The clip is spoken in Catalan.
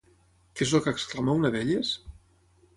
Què és el que exclama una d'elles?